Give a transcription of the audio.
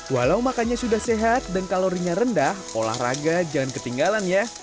walau makannya sudah sehat dan kalorinya rendah olahraga jangan ketinggalan ya